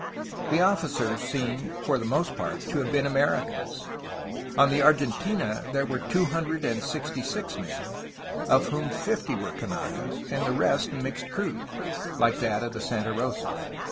The officers seem for the most part to have been Americans. On the Argentina there were two hundred and sixty six men, of whom fifty were Kanakas, and the rest a mixed crew, like that of the Santa Rosa.